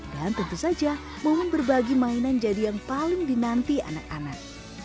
dan tentu saja mohon berbagi mainan jadi yang paling dinanti anak anak